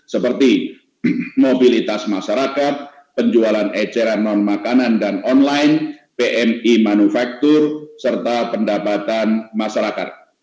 seperti mobilitas masyarakat penjualan eceran non makanan dan online pmi manufaktur serta pendapatan masyarakat